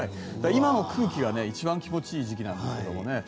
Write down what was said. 今の空気が一番気持ちいい時期なんですけどね。